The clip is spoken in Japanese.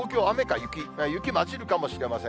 雪交じるかもしれません。